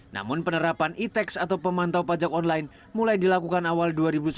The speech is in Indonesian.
namun penerapan itex atau pemantau pajak online mulai dilakukan awal dua ribu sembilan belas